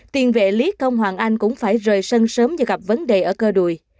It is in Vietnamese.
tiền vệ lý công hoàng anh cũng phải rời sân sớm do gặp vấn đề ở cơ đùi